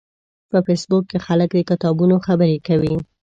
په فېسبوک کې خلک د کتابونو خبرې کوي